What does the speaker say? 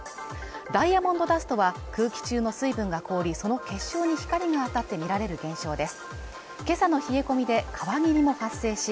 ダイヤモンドダストは空気中の水分が凍りその結晶に光が当たって見られる現象です